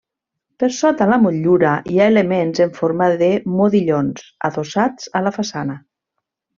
Per sota la motllura hi ha elements en forma de modillons, adossats a la façana.